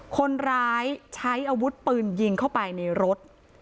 คนร้ายใช้อาวุธปืนยิงเข้าไปในรถ